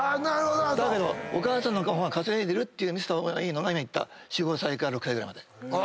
だけどお母さんの方が稼いでるって見せた方がいいのが今言った４５歳から６歳ぐらいまで。